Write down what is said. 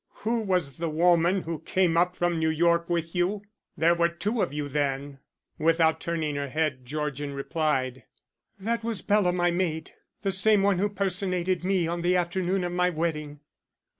Who was the woman who came up from New York with you? There were two of you then." Without turning her head Georgian replied: "That was Bela, my maid; the same one who personated me on the afternoon of my wedding."